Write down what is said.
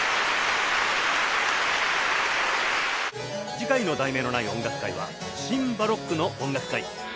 次回の『題名のない音楽会』は「シン・バロックの音楽会」